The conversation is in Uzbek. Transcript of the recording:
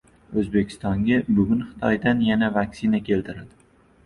O‘zbekistonga bugun Xitoydan yana vaksina keltirildi